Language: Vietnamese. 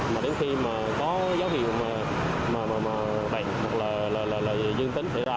mà đến khi mà có dấu hiệu bệnh hoặc là dương tính xảy ra